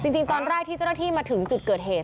จริงตอนแรกที่เจ้าหน้าที่มาถึงจุดเกิดเหตุ